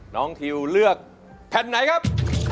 ทิวเลือกแผ่นไหนครับ